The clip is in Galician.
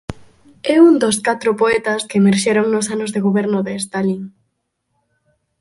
É un dos catro poetas que emerxeron nos anos de goberno de Stalin.